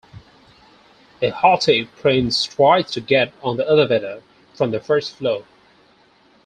A haughty prince tries to get on the elevator from the first floor.